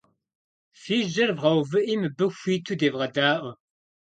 Фи жьэр вгъэувыӏи мыбы хуиту девгъэдаӏуэ.